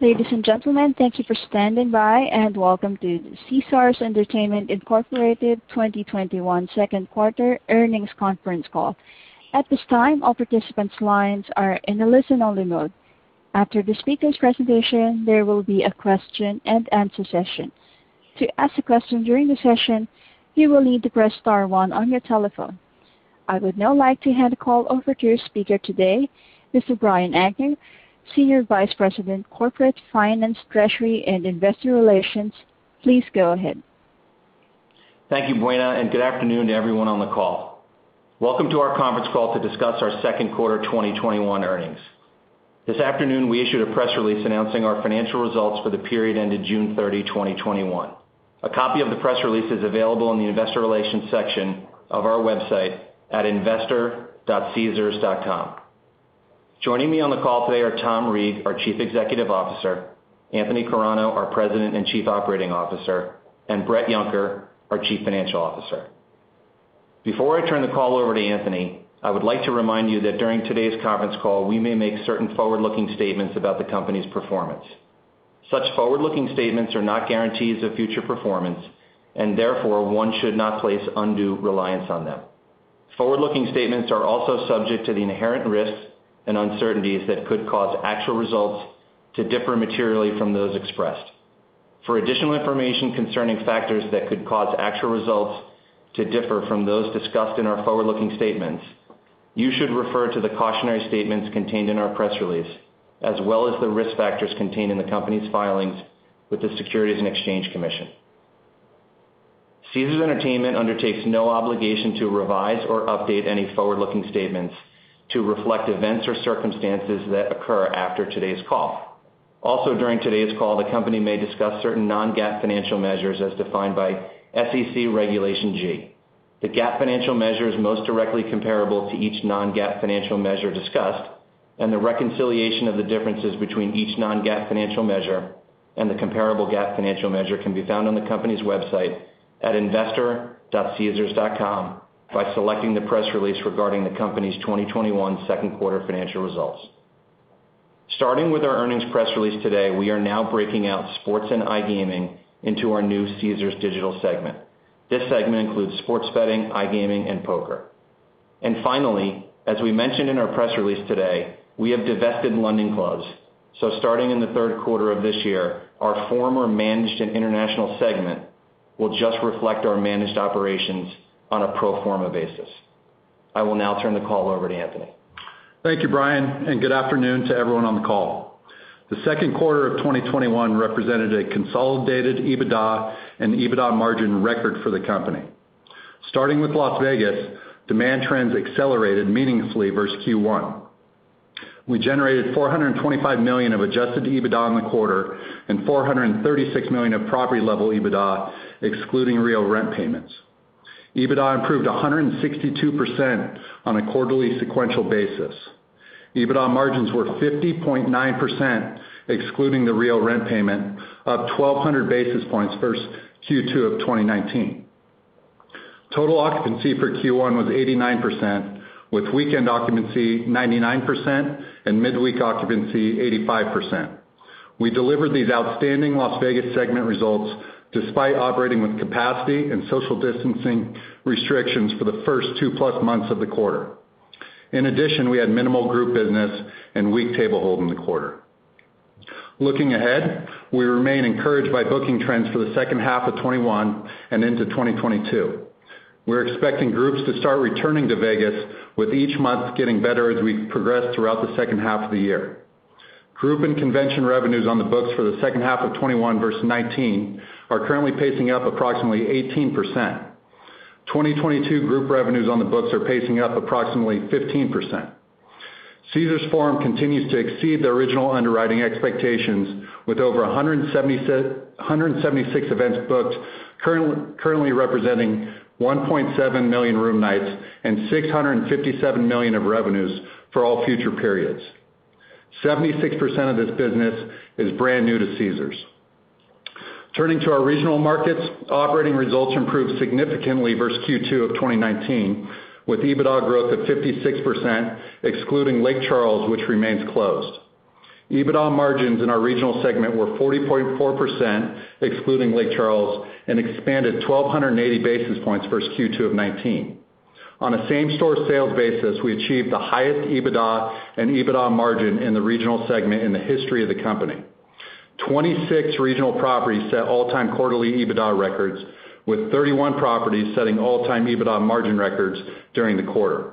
Ladies and gentlemen, thank you for standing by, and welcome to the Caesars Entertainment, Inc. 2021 second quarter earnings conference call. At this time, all participants' lines are in a listen-only mode. After the speakers' presentation, there will be a question and answer session. To ask a question during the session, you will need to press star one on your telephone. I would now like to hand the call over to your speaker today, Mr. Brian Agnew, Senior Vice President, Corporate, Finance, Treasury, and Investor Relations. Please go ahead. Thank you, Boena, and good afternoon to everyone on the call. Welcome to our conference call to discuss our second quarter 2021 earnings. This afternoon, we issued a press release announcing our financial results for the period ended June 30, 2021. A copy of the press release is available in the investor relations section of our website at investor.caesars.com. Joining me on the call today are Tom Reeg, our Chief Executive Officer, Anthony Carano, our President and Chief Operating Officer, and Bret Yunker, our Chief Financial Officer. Before I turn the call over to Anthony, I would like to remind you that during today's conference call, we may make certain forward-looking statements about the company's performance. Such forward-looking statements are not guarantees of future performance, and therefore, one should not place undue reliance on them. Forward-looking statements are also subject to the inherent risks and uncertainties that could cause actual results to differ materially from those expressed. For additional information concerning factors that could cause actual results to differ from those discussed in our forward-looking statements, you should refer to the cautionary statements contained in our press release, as well as the risk factors contained in the company's filings with the Securities and Exchange Commission. Caesars Entertainment undertakes no obligation to revise or update any forward-looking statements to reflect events or circumstances that occur after today's call. During today's call, the company may discuss certain non-GAAP financial measures as defined by SEC Regulation G. The GAAP financial measures most directly comparable to each non-GAAP financial measure discussed and the reconciliation of the differences between each non-GAAP financial measure and the comparable GAAP financial measure can be found on the company's website at investor.caesars.com by selecting the press release regarding the company's 2021 second quarter financial results. Starting with our earnings press release today, we are now breaking out sports and iGaming into our new Caesars Digital segment. This segment includes sports betting, iGaming, and poker. Finally, as we mentioned in our press release today, we have divested London Clubs. Starting in the third quarter of this year, our former managed and international segment will just reflect our managed operations on a pro forma basis. I will now turn the call over to Anthony. Thank you, Brian, and good afternoon to everyone on the call. The 2nd quarter of 2021 represented a consolidated EBITDA and EBITDA margin record for the company. Starting with Las Vegas, demand trends accelerated meaningfully versus Q1. We generated $425 million of adjusted EBITDA in the quarter and $436 million of property-level EBITDA, excluding REIT rent payments. EBITDA improved 162% on a quarterly sequential basis. EBITDA margins were 50.9%, excluding the REIT rent payment, up 1,200 basis points versus Q2 of 2019. Total occupancy for Q1 was 89%, with weekend occupancy 99% and midweek occupancy 85%. We delivered these outstanding Las Vegas segment results despite operating with capacity and social distancing restrictions for the first 2+ months of the quarter. In addition, we had minimal group business and weak table hold in the quarter. Looking ahead, we remain encouraged by booking trends for the second half of 2021 and into 2022. We're expecting groups to start returning to Vegas, with each month getting better as we progress throughout the second half of the year. Group and convention revenues on the books for the second half of 2021 versus 2019 are currently pacing up approximately 18%. 2022 group revenues on the books are pacing up approximately 15%. Caesars Forum continues to exceed the original underwriting expectations with over 176 events booked, currently representing 1.7 million room nights and $657 million of revenues for all future periods. 76% of this business is brand new to Caesars. Turning to our regional markets, operating results improved significantly versus Q2 of 2019, with EBITDA growth of 56%, excluding Lake Charles, which remains closed. EBITDA margins in our regional segment were 40.4%, excluding Lake Charles, and expanded 1,280 basis points versus Q2 of 2019. On a same-store sales basis, we achieved the highest EBITDA and EBITDA margin in the regional segment in the history of the company. 26 regional properties set all-time quarterly EBITDA records, with 31 properties setting all-time EBITDA margin records during the quarter.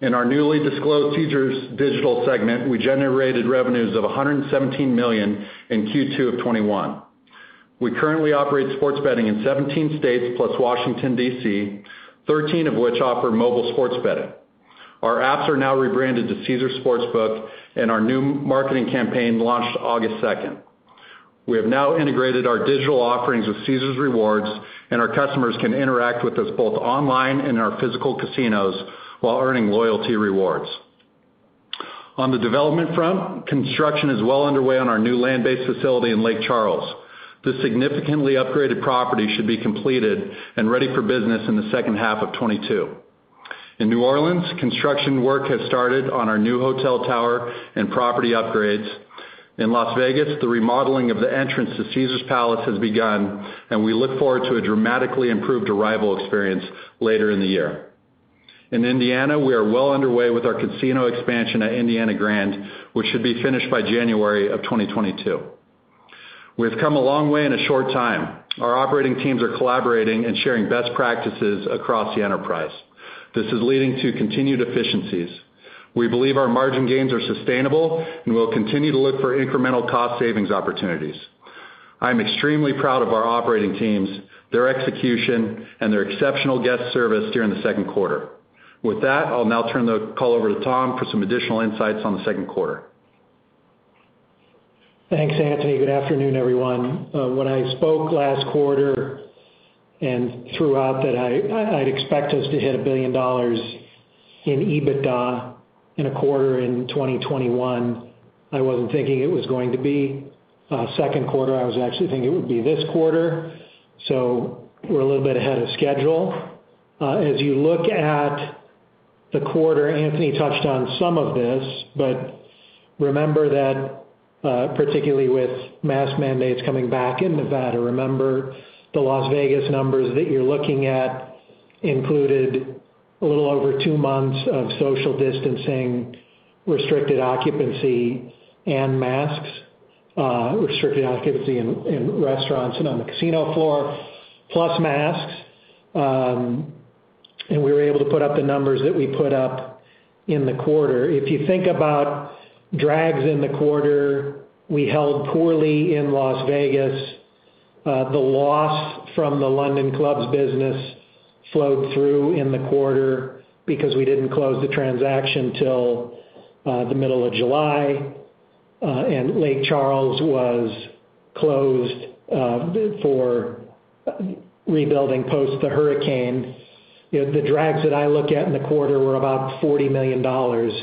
In our newly disclosed Caesars Digital segment, we generated revenues of $117 million in Q2 of 2021. We currently operate sports betting in 17 states, plus Washington, D.C., 13 of which offer mobile sports betting. Our apps are now rebranded to Caesars Sportsbook, and our new marketing campaign launched August 2nd. We have now integrated our digital offerings with Caesars Rewards, and our customers can interact with us both online and in our physical casinos while earning loyalty rewards. On the development front, construction is well underway on our new land-based facility in Lake Charles. This significantly upgraded property should be completed and ready for business in the second half of 2022. In New Orleans, construction work has started on our new hotel tower and property upgrades. In Las Vegas, the remodeling of the entrance to Caesars Palace has begun, and we look forward to a dramatically improved arrival experience later in the year. In Indiana, we are well underway with our casino expansion at Indiana Grand, which should be finished by January of 2022. We have come a long way in a short time. Our operating teams are collaborating and sharing best practices across the enterprise. This is leading to continued efficiencies. We believe our margin gains are sustainable, and we'll continue to look for incremental cost savings opportunities. I am extremely proud of our operating teams, their execution, and their exceptional guest service during the second quarter. With that, I'll now turn the call over to Tom for some additional insights on the second quarter. Thanks, Anthony. Good afternoon, everyone. When I spoke last quarter and throughout that I'd expect us to hit $1 billion in EBITDA in a quarter in 2021, I wasn't thinking it was going to be second quarter. I was actually thinking it would be this quarter. We're a little bit ahead of schedule. As you look at the quarter, Anthony touched on some of this, but remember that, particularly with mask mandates coming back in Nevada, remember the Las Vegas numbers that you're looking at included a little over two months of social distancing, restricted occupancy, and masks. Restricted occupancy in restaurants and on the casino floor, plus masks. We were able to put up the numbers that we put up in the quarter. If you think about drags in the quarter, we held poorly in Las Vegas. The loss from the London Clubs' business flowed through in the quarter because we didn't close the transaction till the middle of July. Lake Charles was closed for rebuilding post the hurricane. The drags that I look at in the quarter were about $40 million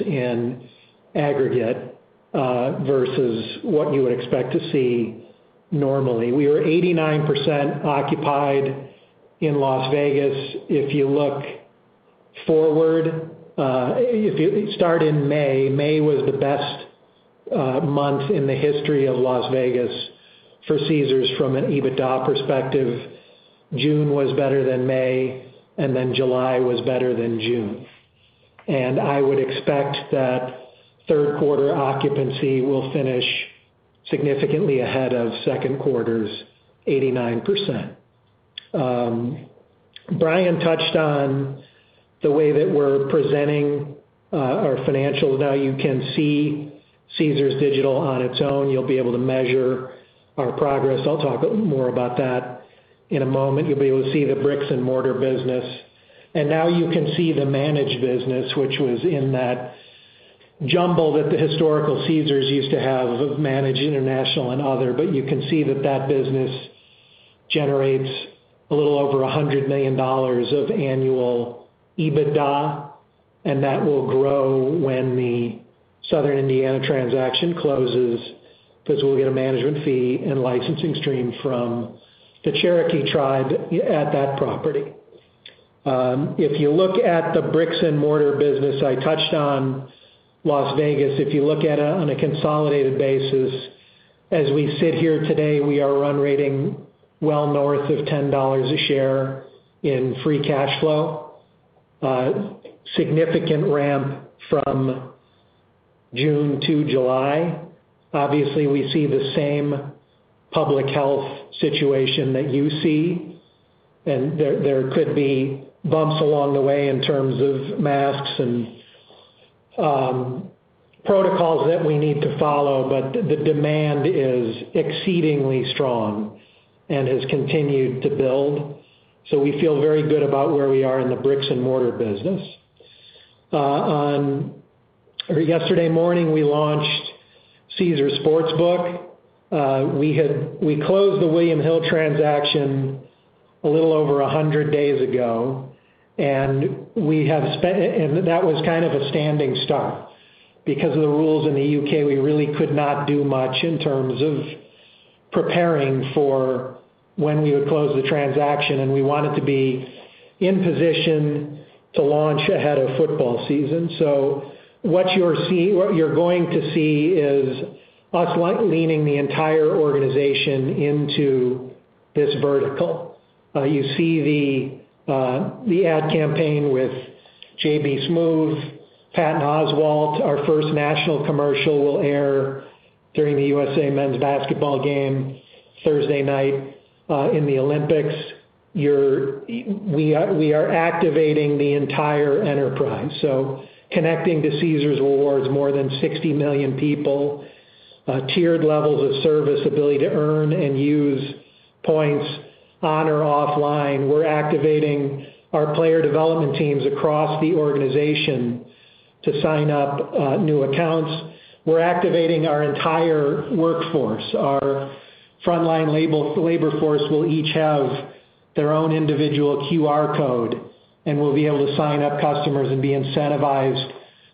in aggregate, versus what you would expect to see normally. We were 89% occupied in Las Vegas. If you look forward, if you start in May was the best month in the history of Las Vegas for Caesars from an EBITDA perspective. June was better than May, and then July was better than June. I would expect that third quarter occupancy will finish significantly ahead of second quarter's 89%. Brian touched on the way that we're presenting our financials. Now you can see Caesars Digital on its own. You'll be able to measure our progress. I'll talk more about that in a moment. You'll be able to see the bricks and mortar business. Now you can see the managed business, which was in that jumble that the historical Caesars used to have of managed, international, and other. You can see that that business generates a little over $100 million of annual EBITDA, and that will grow when the Southern Indiana transaction closes, because we'll get a management fee and licensing stream from the Cherokee tribe at that property. If you look at the bricks and mortar business, I touched on Las Vegas. If you look at it on a consolidated basis, as we sit here today, we are run rating well north of $10 a share in free cash flow. Significant ramp from June to July. Obviously, we see the same public health situation that you see, and there could be bumps along the way in terms of masks and protocols that we need to follow, but the demand is exceedingly strong and has continued to build. We feel very good about where we are in the bricks and mortar business. Yesterday morning, we launched Caesars Sportsbook. We closed the William Hill transaction a little over 100 days ago, and that was kind of a standing start. Because of the rules in the U.K., we really could not do much in terms of preparing for when we would close the transaction, and we wanted to be in position to launch ahead of football season. What you're going to see is us leaning the entire organization into this vertical. You see the ad campaign with J.B. Smoove, Patton Oswalt. Our first national commercial will air during the U.S.A. men's basketball game Thursday night, in the Olympics. We are activating the entire enterprise, so connecting to Caesars Rewards more than 60 million people. Tiered levels of service, ability to earn and use points on or offline. We're activating our player development teams across the organization to sign up new accounts. We're activating our entire workforce. Our frontline labor force will each have their own individual QR code, and we'll be able to sign up customers and be incentivized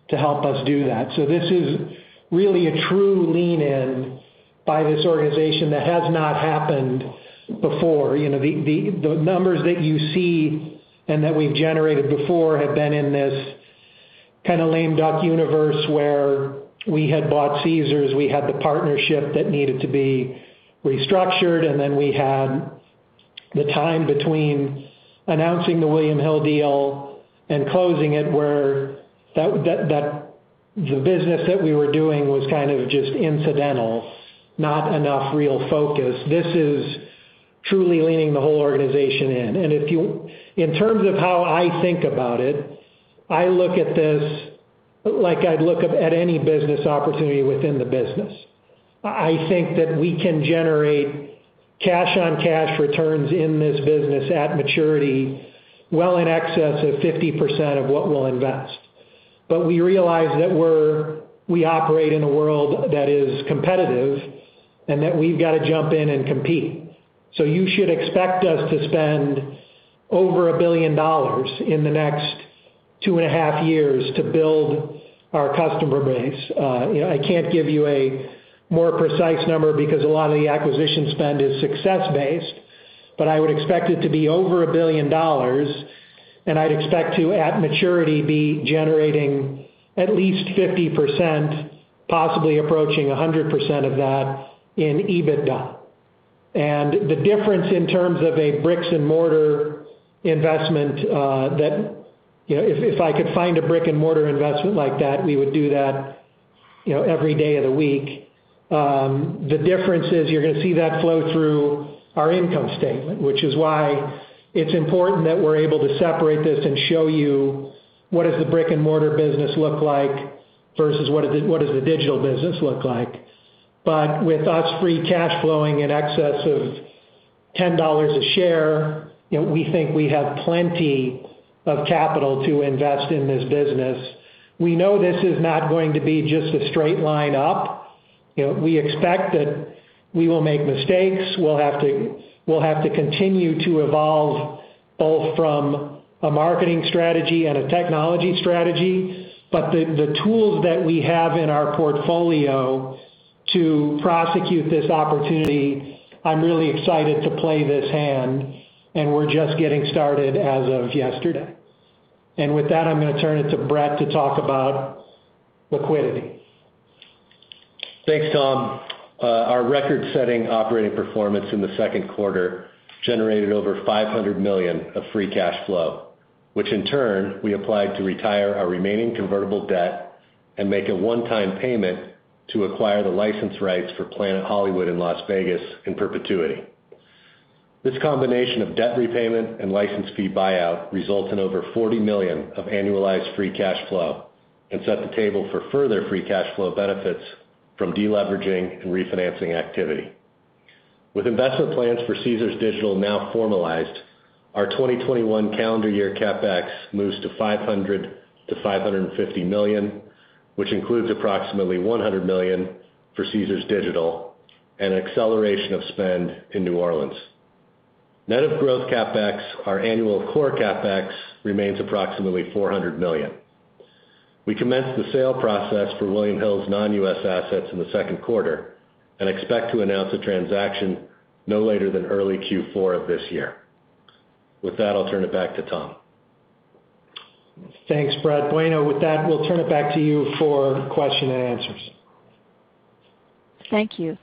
to help us do that. This is really a true lean in by this organization that has not happened before. The numbers that you see and that we've generated before have been in this kind of lame duck universe where we had bought Caesars, we had the partnership that needed to be restructured, then we had the time between announcing the William Hill deal and closing it, where the business that we were doing was kind of just incidental, not enough real focus. This is truly leaning the whole organization in. In terms of how I think about it, I look at this like I'd look at any business opportunity within the business. I think that we can generate cash-on-cash returns in this business at maturity, well in excess of 50% of what we'll invest. We realize that we operate in a world that is competitive and that we've got to jump in and compete. You should expect us to spend over $1 billion in the next 2.5 years to build our customer base. I can't give you a more precise number because a lot of the acquisition spend is success-based, but I would expect it to be over $1 billion, and I'd expect to, at maturity, be generating at least 50%, possibly approaching 100% of that in EBITDA. The difference in terms of a brick-and-mortar investment, if I could find a brick-and-mortar investment like that, we would do that every day of the week. The difference is you're going to see that flow through our income statement, which is why it's important that we're able to separate this and show you what does the brick-and-mortar business look like versus what does the digital business look like. With us free cash flowing in excess of $10 a share, we think we have plenty of capital to invest in this business. We know this is not going to be just a straight line up. We expect that we will make mistakes. We'll have to continue to evolve both from a marketing strategy and a technology strategy. The tools that we have in our portfolio to prosecute this opportunity, I'm really excited to play this hand, and we're just getting started as of yesterday. With that, I'm going to turn it to Bret to talk about liquidity. Thanks, Tom. Our record-setting operating performance in the second quarter generated over $500 million of free cash flow, which in turn, we applied to retire our remaining convertible debt and make a one-time payment to acquire the license rights for Planet Hollywood in Las Vegas in perpetuity. This combination of debt repayment and license fee buyout results in over $40 million of annualized free cash flow and set the table for further free cash flow benefits from de-leveraging and refinancing activity. With investment plans for Caesars Digital now formalized, our 2021 calendar year CapEx moves to $500 million-$550 million, which includes approximately $100 million for Caesars Digital and acceleration of spend in New Orleans. Net of growth CapEx, our annual core CapEx remains approximately $400 million. We commenced the sale process for William Hill's non-U.S. assets in the second quarter and expect to announce a transaction no later than early Q4 of this year. With that, I'll turn it back to Tom. Thanks, Bret. Boena, with that, we'll turn it back to you for question and answers. Thank you.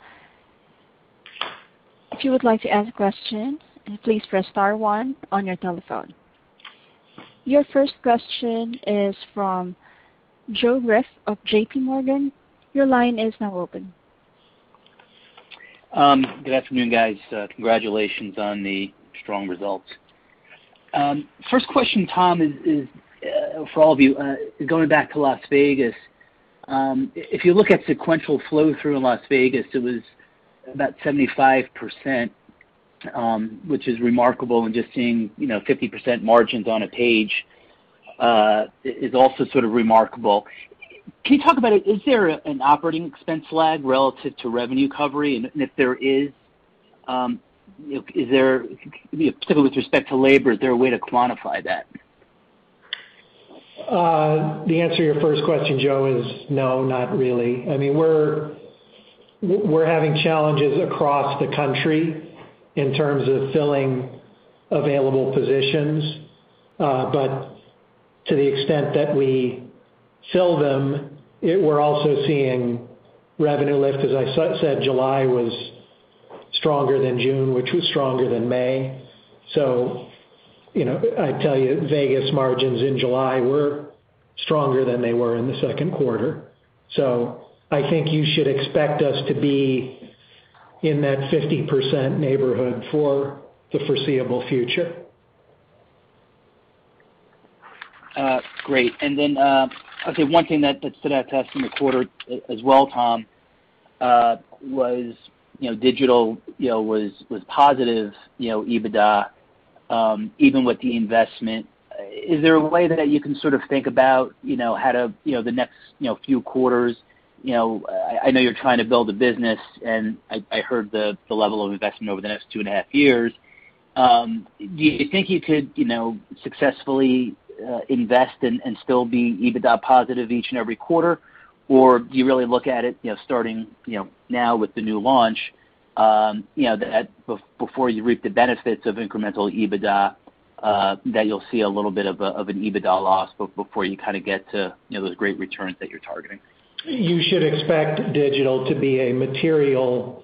You would like to ask question please press star one on your telephone Your first question is from Joe Greff of JPMorgan. Good afternoon, guys. Congratulations on the strong results. First question, Tom, for all of you, going back to Las Vegas. If you look at sequential flow through in Las Vegas, it was about 75%, which is remarkable. Just seeing 50% margins on a page is also sort of remarkable. Can you talk about it? Is there an operating expense lag relative to revenue recovery? If there is, particularly with respect to labor, is there a way to quantify that? The answer to your first question, Joe, is no, not really. We're having challenges across the country in terms of filling available positions. To the extent that we fill them, we're also seeing revenue lift, because as I said, July was stronger than June, which was stronger than May. I tell you, Vegas margins in July were stronger than they were in the second quarter. I think you should expect us to be in that 50% neighborhood for the foreseeable future. Great. Then, I'll say one thing that stood out to us in the quarter as well, Tom, was Digital was positive EBITDA, even with the investment. Is there a way that you can sort of think about the next few quarters? I know you're trying to build a business, and I heard the level of investment over the next 2.5 years. Do you think you could successfully invest and still be EBITDA positive each and every quarter, or do you really look at it, starting now with the new launch, that before you reap the benefits of incremental EBITDA, that you'll see a little bit of an EBITDA loss before you get to those great returns that you're targeting? You should expect Caesars Digital to be a material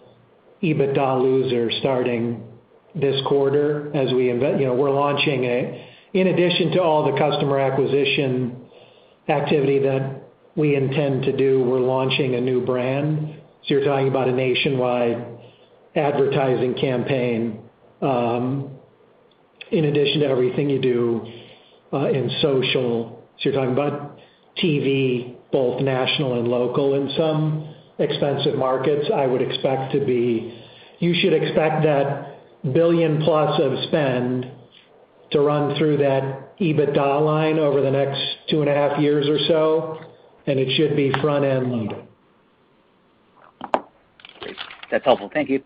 EBITDA loser starting this quarter as we invest. In addition to all the customer acquisition activity that we intend to do, we're launching a new brand. You're talking about a nationwide advertising campaign, in addition to everything you do in social. You're talking about TV, both national and local, in some expensive markets. You should expect that $1 billion-plus of spend to run through that EBITDA line over the next two and a half years or so, and it should be front-end loaded. Great. That's helpful. Thank you.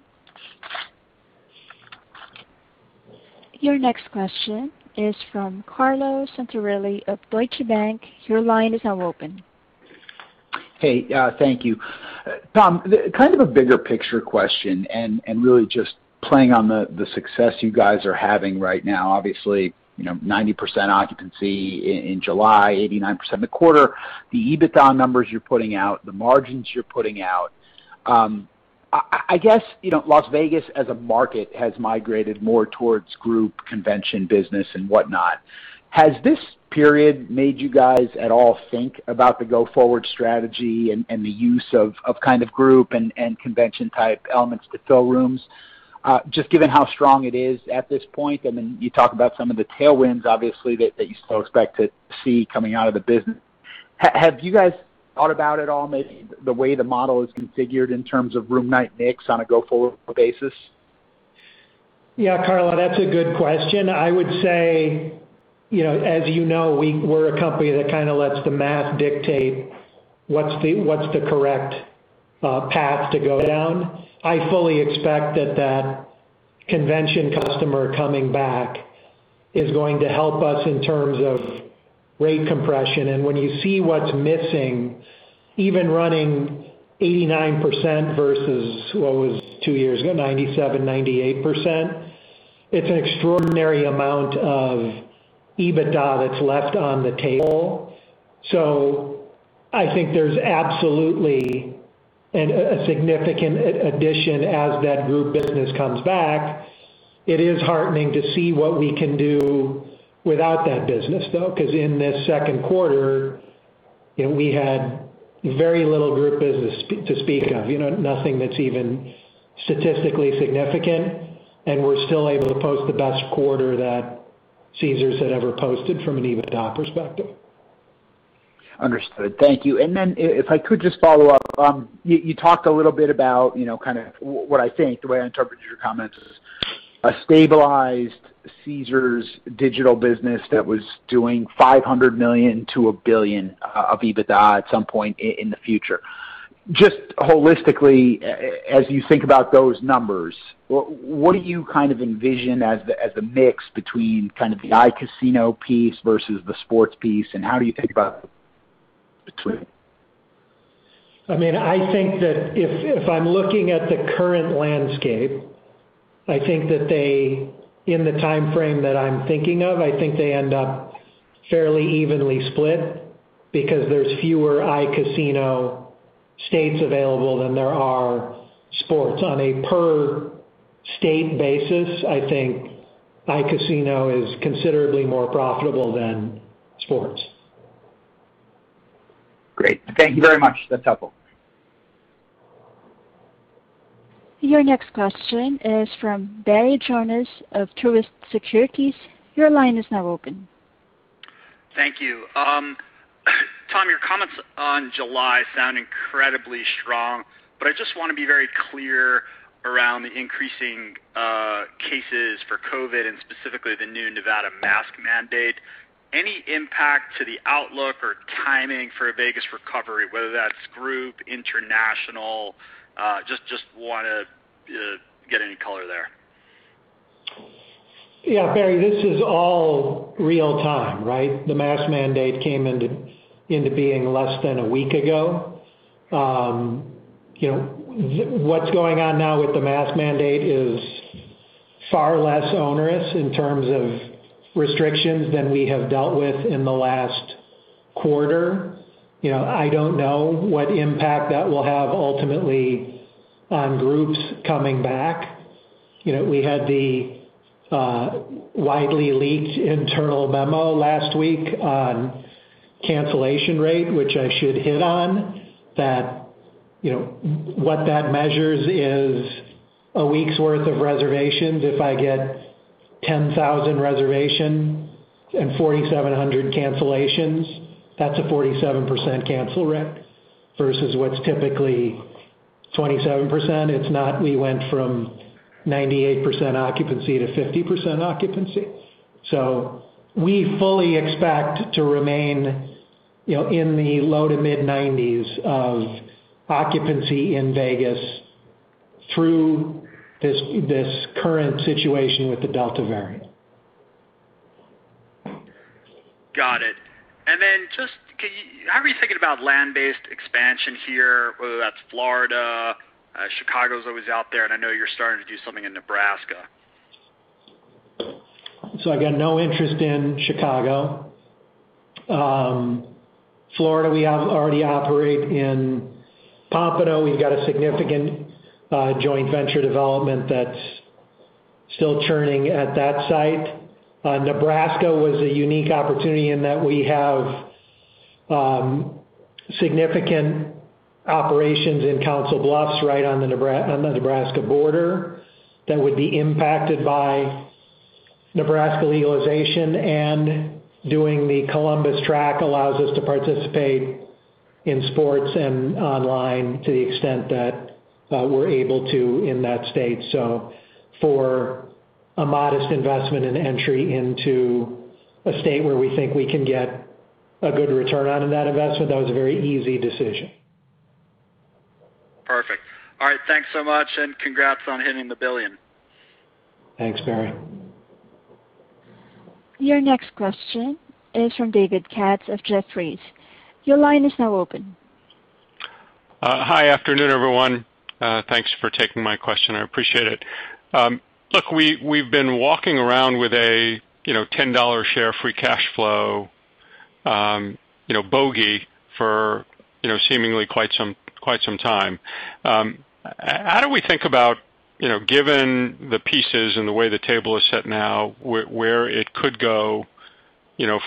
Your next question is from Carlo Santarelli of Deutsche Bank. Your line is now open. Hey, thank you. Tom, kind of a bigger picture question, and really just playing on the success you guys are having right now. Obviously, 90% occupancy in July, 89% in the quarter. The EBITDA numbers you're putting out, the margins you're putting out. I guess, Las Vegas as a market has migrated more towards group convention business and whatnot. Has this period made you guys at all think about the go-forward strategy and the use of group and convention-type elements to fill rooms, just given how strong it is at this point? Then you talk about some of the tailwinds, obviously, that you still expect to see coming out of the business. Have you guys thought about at all, maybe the way the model is configured in terms of room night mix on a go-forward basis? Yeah, Carlo, that's a good question. I would say, as you know, we're a company that kind of lets the math dictate what's the correct path to go down. I fully expect that that convention customer coming back is going to help us in terms of rate compression. When you see what's missing, even running 89% versus what was two years ago, 97%, 98%, it's an extraordinary amount of EBITDA that's left on the table. I think there's absolutely a significant addition as that group business comes back. It is heartening to see what we can do without that business, though, because in this second quarter, we had very little group business to speak of, nothing that's even statistically significant, and we're still able to post the best quarter that Caesars had ever posted from an EBITDA perspective. Understood. Thank you. If I could just follow up, you talked a little bit about kind of what I think, the way I interpreted your comments is, a stabilized Caesars Digital business that was doing $500 million-$1 billion of EBITDA at some point in the future. Holistically, as you think about those numbers, what do you kind of envision as the mix between kind of the iCasino piece versus the sports piece, and how do you think about between them? I think that if I'm looking at the current landscape, I think that in the timeframe that I'm thinking of, I think they end up fairly evenly split because there's fewer iCasino states available than there are sports. On a per state basis, I think iCasino is considerably more profitable than sports. Great. Thank you very much. That's helpful. Your next question is from Barry Jonas of Truist Securities. Your line is now open. Thank you. Tom, your comments on July sound incredibly strong. I just want to be very clear around the increasing cases for COVID and specifically the new Nevada mask mandate. Any impact to the outlook or timing for a Vegas recovery, whether that's group, international? Just want to get any color there. Barry, this is all real time, right? The mask mandate came into being less than a week ago. What's going on now with the mask mandate is far less onerous in terms of restrictions than we have dealt with in the last quarter. I don't know what impact that will have ultimately on groups coming back. We had the widely leaked internal memo last week on cancellation rate, which I should hit on, that what that measures is a week's worth of reservations. If I get 10,000 reservations and 4,700 cancellations, that's a 47% cancel rate versus what's typically 27%. It's not we went from 98% occupancy to 50% occupancy. We fully expect to remain in the low to mid-90s of occupancy in Vegas through this current situation with the Delta variant. Got it. Just, how are you thinking about land-based expansion here, whether that's Florida, Chicago's always out there, and I know you're starting to do something in Nebraska? I got no interest in Chicago. Florida, we have already operate in Pompano. We've got a significant joint venture development that's still churning at that site. Nebraska was a unique opportunity in that we have significant operations in Council Bluffs, right on the Nebraska border, that would be impacted by Nebraska legalization. Doing the Columbus track allows us to participate in sports and online to the extent that we're able to in that state. For a modest investment and entry into a state where we think we can get a good return out of that investment, that was a very easy decision. Perfect. All right, thanks so much, congrats on hitting the $1 billion. Thanks, Barry. Your next question is from David Katz of Jefferies. Your line is now open. Hi, afternoon, everyone. Thanks for taking my question. I appreciate it. Look, we've been walking around with a $10 share free cash flow bogey for seemingly quite some time. How do we think about, given the pieces and the way the table is set now, where it could go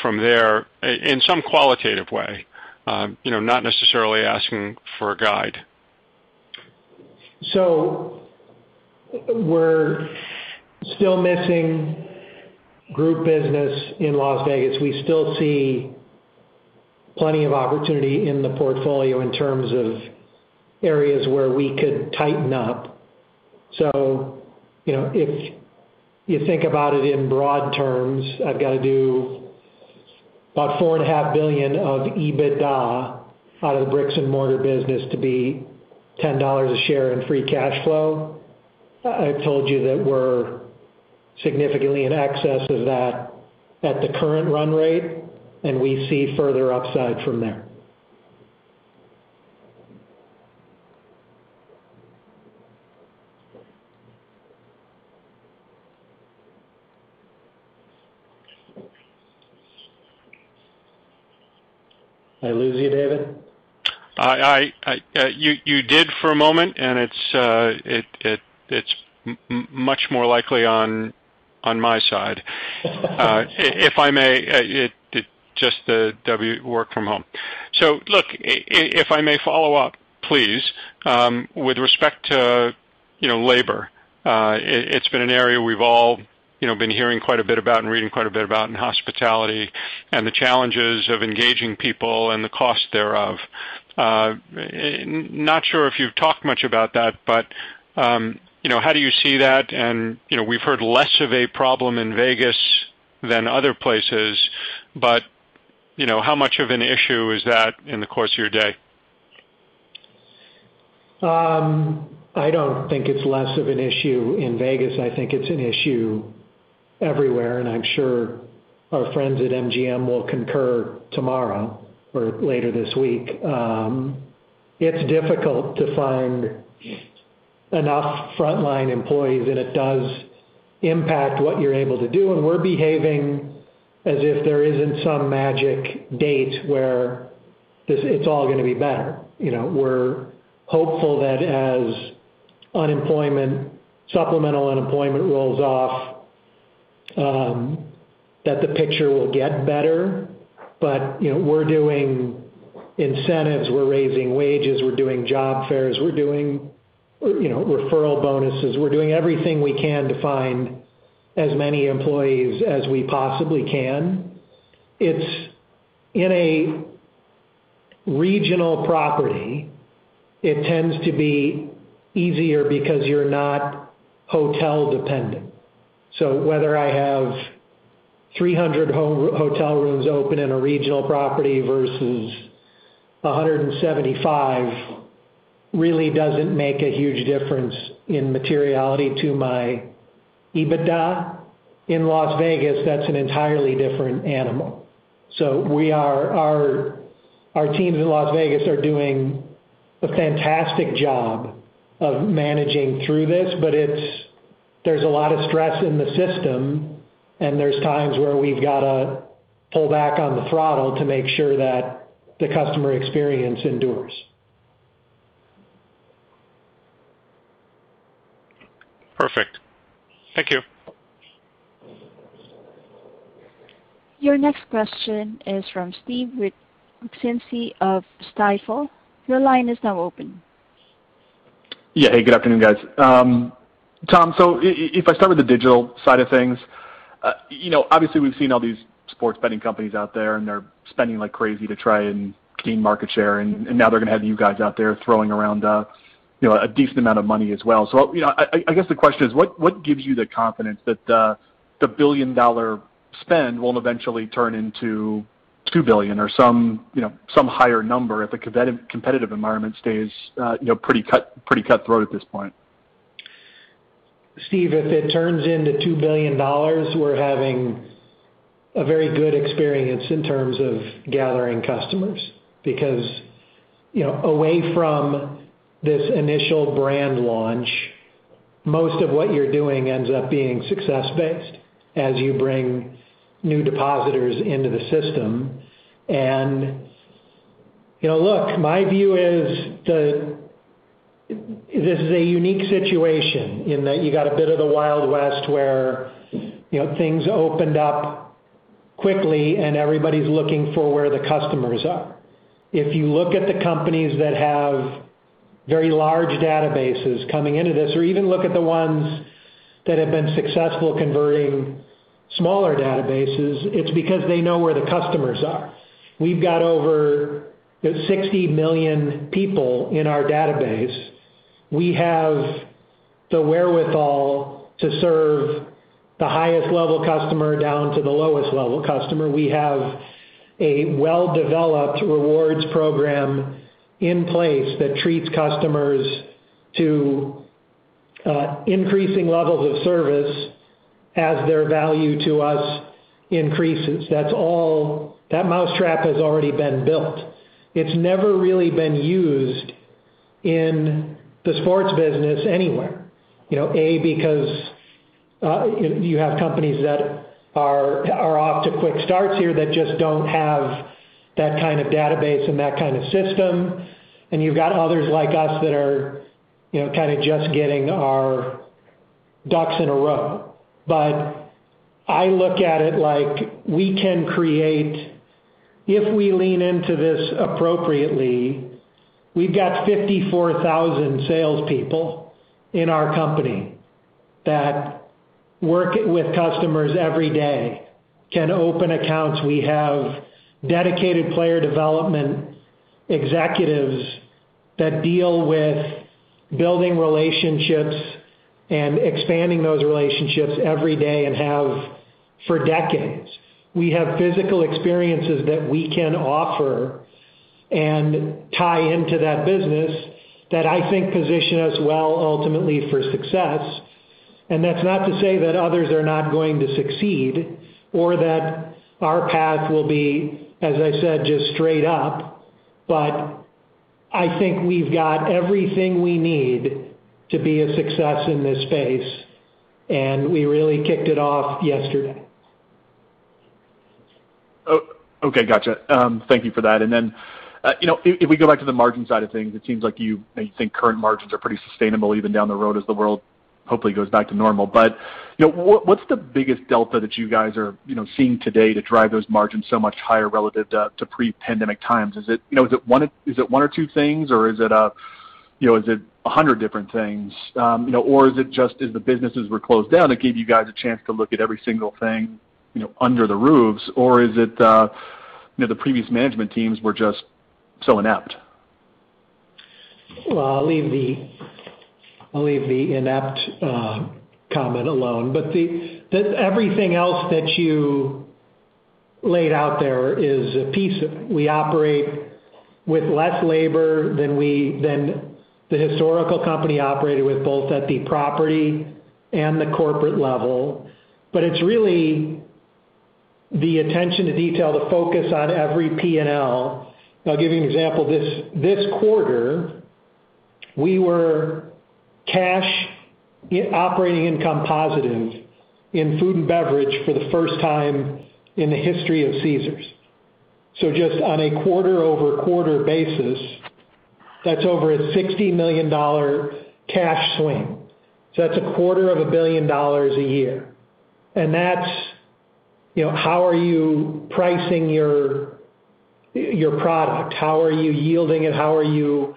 from there in some qualitative way? Not necessarily asking for a guide. We're still missing group business in Las Vegas. We still see plenty of opportunity in the portfolio in terms of areas where we could tighten up. If you think about it in broad terms, I've got to do about four and a half billion of EBITDA out of the bricks and mortar business to be $10 a share in free cash flow. I told you that we're significantly in excess of that at the current run rate, and we see further upside from there. Did I lose you, David? You did for a moment, and it's much more likely on my side. If I may, it just the work from home. Look, if I may follow up, please, with respect to labor. It's been an area we've all been hearing quite a bit about and reading quite a bit about in hospitality and the challenges of engaging people and the cost thereof. Not sure if you've talked much about that, but how do you see that? We've heard less of a problem in Vegas than other places, but how much of an issue is that in the course of your day? I don't think it's less of an issue in Vegas. I think it's an issue everywhere, and I'm sure our friends at MGM will concur tomorrow or later this week. It's difficult to find enough frontline employees, and it does impact what you're able to do. We're behaving as if there isn't some magic date where it's all going to be better. We're hopeful that as supplemental unemployment rolls off, that the picture will get better. We're doing incentives, we're raising wages, we're doing job fairs, we're doing referral bonuses. We're doing everything we can to find as many employees as we possibly can. In a regional property, it tends to be easier because you're not hotel dependent. Whether I have 300 hotel rooms open in a regional property versus 175 really doesn't make a huge difference in materiality to my EBITDA. In Las Vegas, that's an entirely different animal. Our teams in Las Vegas are doing a fantastic job of managing through this, but there's a lot of stress in the system, and there's times where we've got to pull back on the throttle to make sure that the customer experience endures. Perfect. Thank you. Your next question is from Steven Wieczynski of Stifel. Your line is now open. Yeah. Hey, good afternoon, guys. Tom, if I start with the Digital side of things, obviously we've seen all these sports betting companies out there, and they're spending like crazy to try and gain market share, and now they're going to have you guys out there throwing around a decent amount of money as well. I guess the question is, what gives you the confidence that the billion-dollar spend won't eventually turn into $2 billion or some higher number if the competitive environment stays pretty cutthroat at this point? Steve, if it turns into $2 billion, we're having a very good experience in terms of gathering customers. Away from this initial brand launch, most of what you're doing ends up being success-based as you bring new depositors into the system. Look, my view is this is a unique situation in that you got a bit of the Wild West where things opened up quickly and everybody's looking for where the customers are. If you look at the companies that have very large databases coming into this, or even look at the ones that have been successful converting smaller databases, it's because they know where the customers are. We've got over 60 million people in our database. We have the wherewithal to serve the highest level customer down to the lowest level customer. We have a well-developed rewards program in place that treats customers to increasing levels of service as their value to us increases. That mousetrap has already been built. It's never really been used in the sports business anywhere. A, because you have companies that are off to quick starts here that just don't have that kind of database and that kind of system, and you've got others like us that are kind of just getting our ducks in a row. I look at it like we can create, if we lean into this appropriately, we've got 54,000 salespeople in our company that work with customers every day, can open accounts. We have dedicated player development executives that deal with building relationships and expanding those relationships every day and have for decades. We have physical experiences that we can offer and tie into that business that I think position us well ultimately for success. That's not to say that others are not going to succeed or that our path will be, as I said, just straight up. I think we've got everything we need to be a success in this space, and we really kicked it off yesterday. Okay, gotcha. Thank you for that. If we go back to the margin side of things, it seems like you think current margins are pretty sustainable even down the road as the world hopefully goes back to normal. What's the biggest delta that you guys are seeing today to drive those margins so much higher relative to pre-pandemic times? Is it one or two things or is it 100 different things? Is it just as the businesses were closed down, it gave you guys a chance to look at every single thing under the roofs, or is it the previous management teams were just so inept? Well, I'll leave the inept comment alone. Everything else that you laid out there is a piece of it. We operate with less labor than the historical company operated with, both at the property and the corporate level. It's really the attention to detail, the focus on every P&L. I'll give you an example. This quarter, we were cash operating income positive in food and beverage for the first time in the history of Caesars. Just on a quarter-over-quarter basis, that's over a $60 million cash swing. That's a quarter of a billion dollars a year. That's how are you pricing your product? How are you yielding it? How are you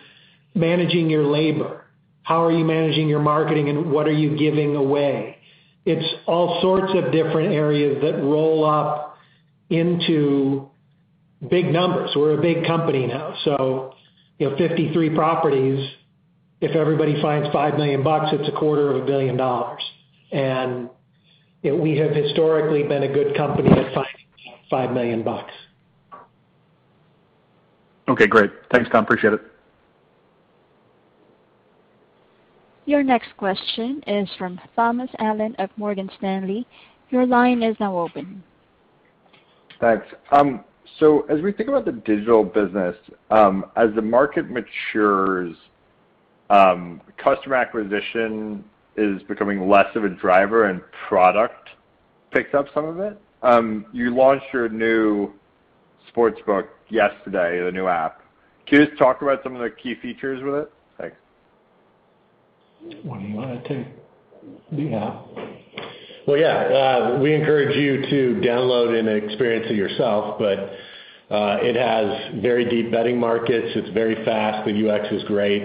managing your labor? How are you managing your marketing, and what are you giving away? It's all sorts of different areas that roll up into big numbers. We're a big company now. 53 properties, if everybody finds $5 million, it's a quarter of a billion dollars. We have historically been a good company at finding $5 million. Okay, great. Thanks, Tom. Appreciate it. Your next question is from Thomas Allen of Morgan Stanley. Your line is now open. Thanks. As we think about the digital business, as the market matures, customer acquisition is becoming less of a driver and product picks up some of it. You launched your new Sportsbook yesterday, the new app. Can you just talk about some of the key features with it? Thanks. One, you want to take the app? Well, yeah. We encourage you to download and experience it yourself. It has very deep betting markets. It's very fast. The UX is great.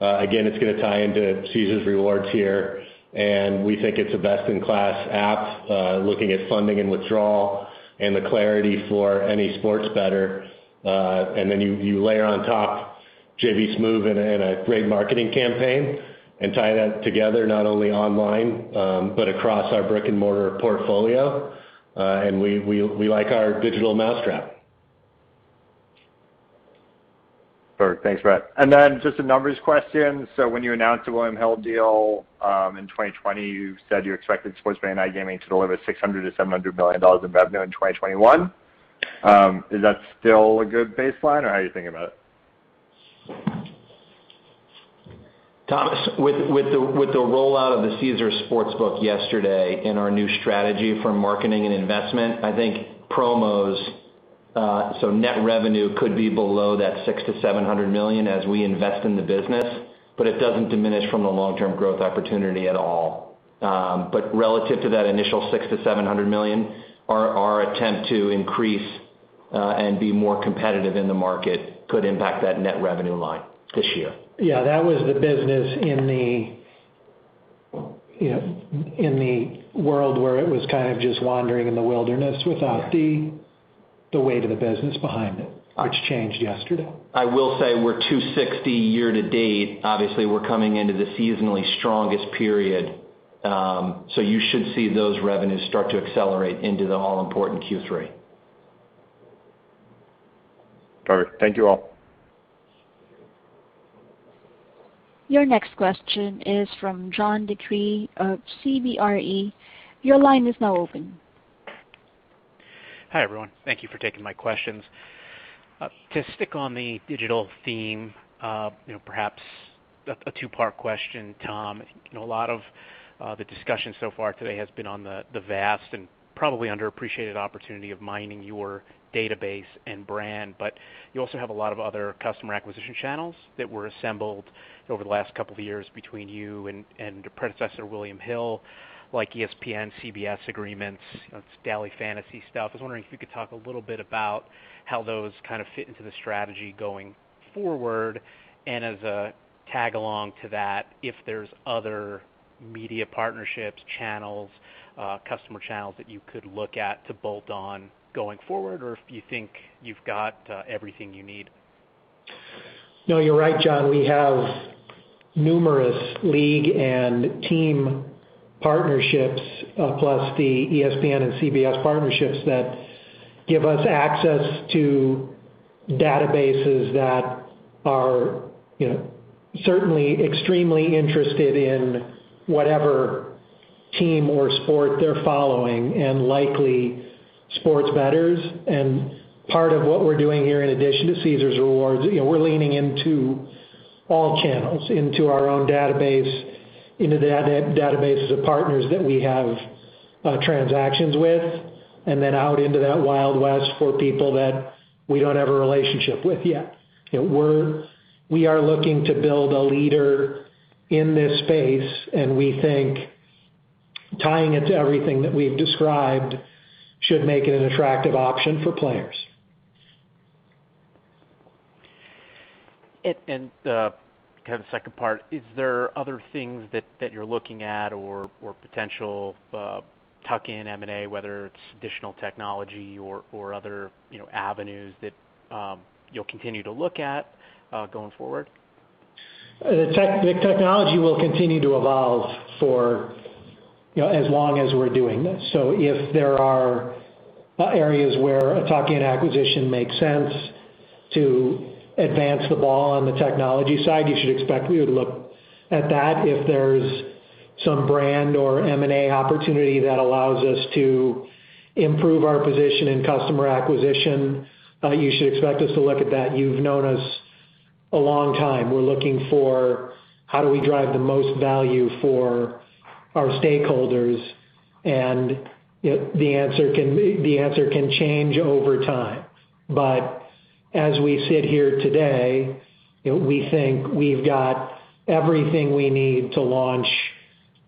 Again, it's going to tie into Caesars Rewards here, and we think it's a best-in-class app, looking at funding and withdrawal and the clarity for any sports bettor. You layer on top J.B. Smoove in a great marketing campaign and tie that together not only online but across our brick-and-mortar portfolio. We like our digital mousetrap. Perfect. Thanks, Bret. Just a numbers question. When you announced the William Hill deal in 2020, you said you expected Sportsbook and iGaming to deliver $600 million to $700 million in revenue in 2021. Is that still a good baseline, or how are you thinking about it? Thomas, with the rollout of the Caesars Sportsbook yesterday and our new strategy for marketing and investment, I think promos, so net revenue, could be below that $600 million to $700 million as we invest in the business, but it doesn't diminish from the long-term growth opportunity at all. Relative to that initial $600 million to $700 million, our attempt to increase and be more competitive in the market could impact that net revenue line this year. Yeah, that was the business in the world where it was kind of just wandering in the wilderness without the weight of the business behind it, which changed yesterday. I will say we're $260 year to date. Obviously, we're coming into the seasonally strongest period. You should see those revenues start to accelerate into the all-important Q3. Perfect. Thank you all. Your next question is from John DeCree of CBRE. Your line is now open. Hi, everyone. Thank you for taking my questions. To stick on the digital theme, perhaps a two-part question, Tom. A lot of the discussion so far today has been on the vast and probably underappreciated opportunity of mining your database and brand. You also have a lot of other customer acquisition channels that were assembled over the last couple of years between you and your predecessor, William Hill, like ESPN, CBS agreements, daily fantasy stuff. I was wondering if you could talk a little bit about how those kind of fit into the strategy going forward and as a tag-along to that, if there's other media partnerships, channels, customer channels that you could look at to bolt on going forward, or if you think you've got everything you need. No, you're right, John. We have numerous league and team partnerships, plus the ESPN and CBS partnerships that give us access to databases that are certainly extremely interested in whatever team or sport they're following and likely sports bettors. Part of what we're doing here, in addition to Caesars Rewards, we're leaning into all channels, into our own database, into the databases of partners that we have transactions with, and then out into that Wild West for people that we don't have a relationship with yet. We are looking to build a leader in this space, and we think tying it to everything that we've described should make it an attractive option for players. Kind of the second part, is there other things that you're looking at or potential tuck-in M&A, whether it's additional technology or other avenues that you'll continue to look at going forward? The technology will continue to evolve for as long as we're doing this. If there are areas where a tuck-in acquisition makes sense to advance the ball on the technology side, you should expect we would look at that. If there's some brand or M&A opportunity that allows us to improve our position in customer acquisition, you should expect us to look at that. You've known us a long time. We're looking for how do we drive the most value for our stakeholders, and the answer can change over time. As we sit here today, we think we've got everything we need to launch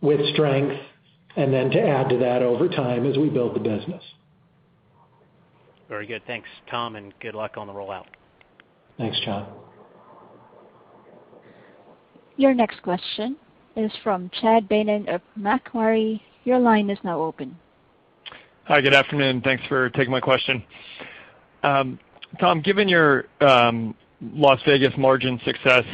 with strength and then to add to that over time as we build the business. Very good. Thanks, Tom, and good luck on the rollout. Thanks, John. Your next question is from Chad Beynon of Macquarie. Your line is now open. Hi, good afternoon. Thanks for taking my question. Tom, given your Las Vegas margin success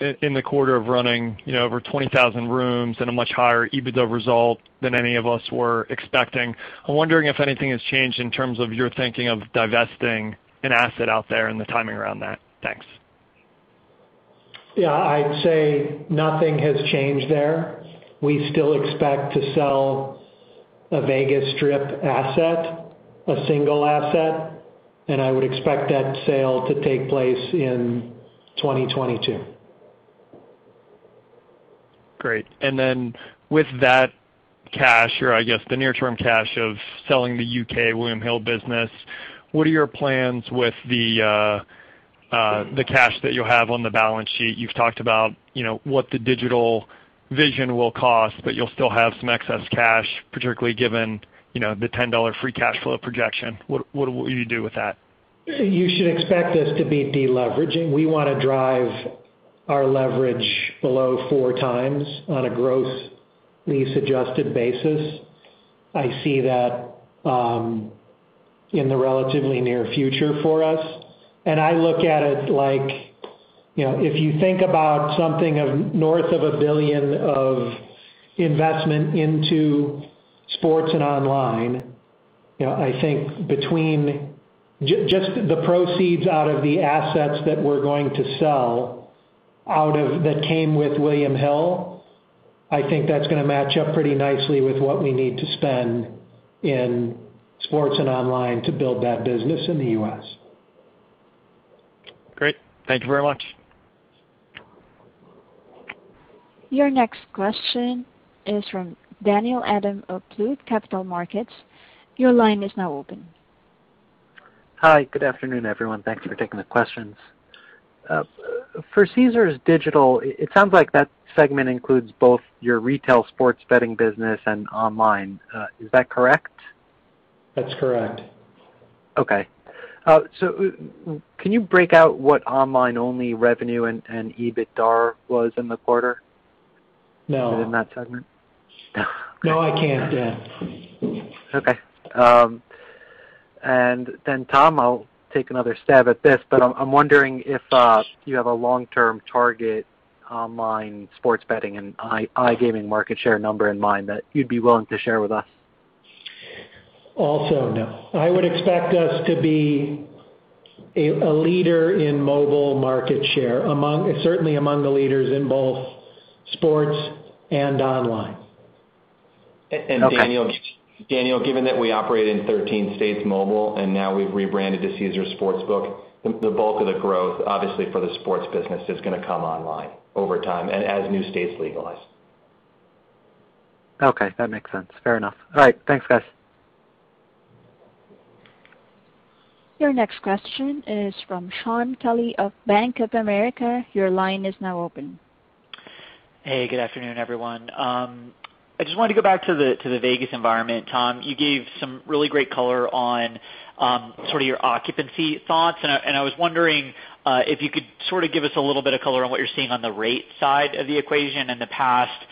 in the quarter of running over 20,000 rooms and a much higher EBITDA result than any of us were expecting, I'm wondering if anything has changed in terms of your thinking of divesting an asset out there and the timing around that. Thanks. Yeah, I'd say nothing has changed there. We still expect to sell a Vegas Strip asset, a single asset. I would expect that sale to take place in 2022. Great. Then with that cash, or I guess the near-term cash of selling the U.K. William Hill business, what are your plans with the cash that you have on the balance sheet, you've talked about what the digital vision will cost, but you'll still have some excess cash, particularly given the $10 free cash flow projection. What will you do with that? You should expect us to be deleveraging. We want to drive our leverage below 4 times on a gross lease-adjusted basis. I see that in the relatively near future for us, and I look at it like, if you think about something of north of $1 billion of investment into sports and online, I think between just the proceeds out of the assets that we're going to sell that came with William Hill, I think that's going to match up pretty nicely with what we need to spend in sports and online to build that business in the U.S. Great. Thank you very much. Your next question is from Daniel Adam of Loop Capital Markets. Your line is now open. Hi. Good afternoon, everyone. Thanks for taking the questions. For Caesars Digital, it sounds like that segment includes both your retail sports betting business and online. Is that correct? That's correct. Okay. Can you break out what online-only revenue and EBITDAR was in the quarter? No. Within that segment? No, I can't, Dan. Okay. Tom Reeg, I'll take another stab at this, but I'm wondering if you have a long-term target online sports betting and iGaming market share number in mind that you'd be willing to share with us. Also, no. I would expect us to be a leader in mobile market share. Certainly among the leaders in both sports and online. Okay. Daniel, given that we operate in 13 states mobile, and now we've rebranded to Caesars Sportsbook, the bulk of the growth, obviously, for the sports business is going to come online over time and as new states legalize. Okay. That makes sense. Fair enough. All right. Thanks, guys. Your next question is from Shaun Kelley of Bank of America. Your line is now open. Hey, good afternoon, everyone. I just wanted to go back to the Vegas environment. Tom, you gave some really great color on sort of your occupancy thoughts, and I was wondering if you could sort of give us a little bit of color on what you're seeing on the rate side of the equation. In the past,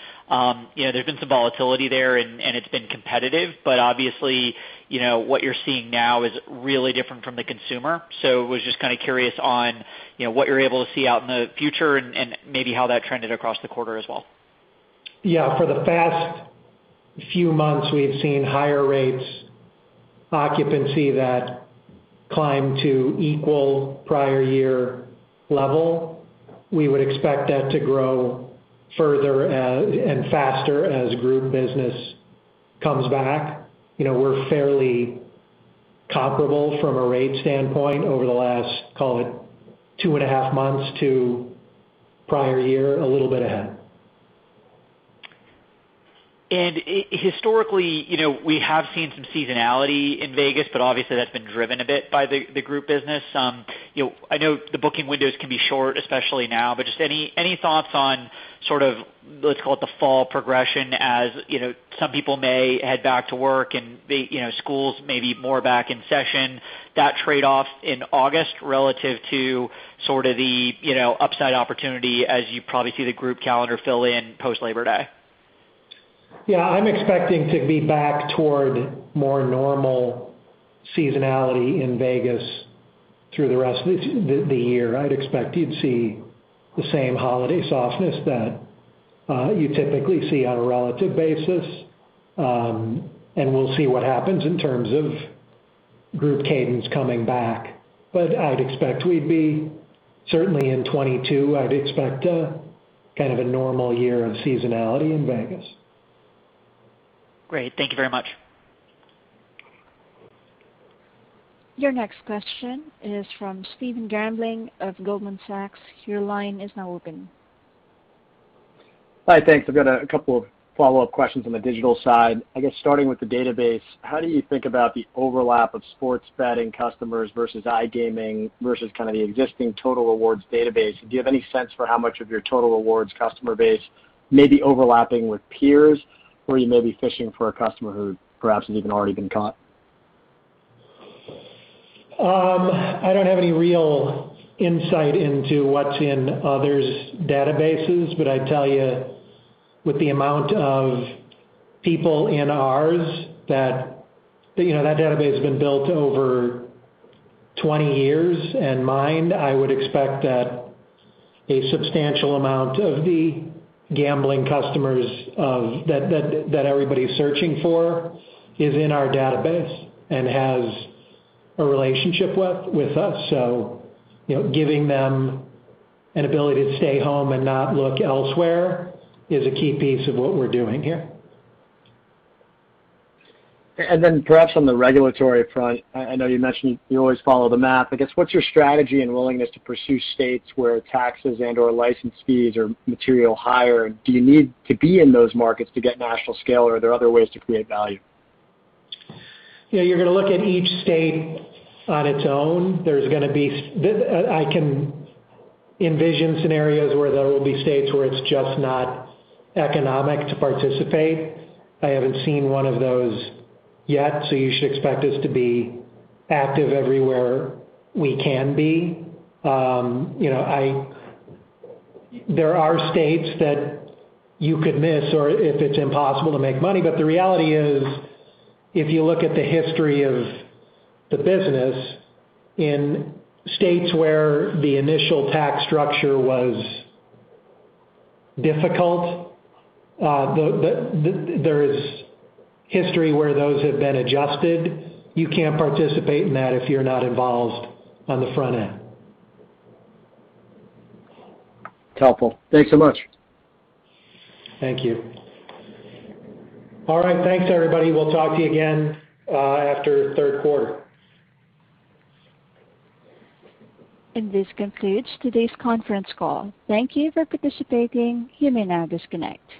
there's been some volatility there, and it's been competitive, but obviously, what you're seeing now is really different from the consumer. I was just kind of curious on what you're able to see out in the future and maybe how that trended across the quarter as well. Yeah. For the past few months, we've seen higher rates, occupancy that climbed to equal prior year level. We would expect that to grow further and faster as group business comes back. We're fairly comparable from a rate standpoint over the last, call it, two and a half months to prior year, a little bit ahead. Historically, we have seen some seasonality in Vegas, but obviously, that's been driven a bit by the group business. I know the booking windows can be short, especially now, but just any thoughts on sort of, let's call it the fall progression, as some people may head back to work and schools may be more back in session, that trade-off in August relative to sort of the upside opportunity as you probably see the group calendar fill in post-Labor Day? Yeah, I'm expecting to be back toward more normal seasonality in Vegas through the rest of the year. I'd expect you'd see the same holiday softness that you typically see on a relative basis, and we'll see what happens in terms of group cadence coming back. I'd expect we'd be, certainly in 2022, I'd expect a kind of a normal year of seasonality in Vegas. Great. Thank you very much. Your next question is from Stephen Grambling of Goldman Sachs. Your line is now open. Hi, thanks. I've got a couple of follow-up questions on the digital side. I guess starting with the database, how do you think about the overlap of sports betting customers versus iGaming versus kind of the existing Caesars Rewards database? Do you have any sense for how much of your Caesars Rewards customer base may be overlapping with peers? You may be fishing for a customer who perhaps has even already been caught? I don't have any real insight into what's in others' databases. I tell you, with the amount of people in ours, that database has been built over 20 years. Mine, I would expect that a substantial amount of the gambling customers that everybody's searching for is in our database and has a relationship with us. Giving them an ability to stay home and not look elsewhere is a key piece of what we're doing here. Perhaps on the regulatory front, I know you mentioned you always follow the math. I guess, what's your strategy and willingness to pursue states where taxes and/or license fees are materially higher? Do you need to be in those markets to get national scale, or are there other ways to create value? You're going to look at each state on its own. I can envision scenarios where there will be states where it's just not economic to participate. I haven't seen one of those yet, so you should expect us to be active everywhere we can be. There are states that you could miss or if it's impossible to make money. The reality is, if you look at the history of the business in states where the initial tax structure was difficult, there is history where those have been adjusted. You can't participate in that if you're not involved on the front end. Helpful. Thanks so much. Thank you. All right. Thanks, everybody. We'll talk to you again after third quarter. This concludes today's conference call. Thank you for participating. You may now disconnect.